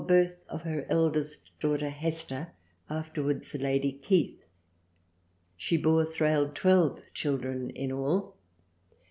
Birth of her eldest daughter Hester afterwards Lady Keith. She bore Thrale twelve child ren in all.